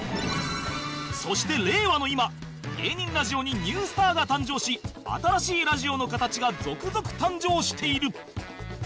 そして令和の今芸人ラジオにニュースターが誕生し新しいラジオの形が続々誕生している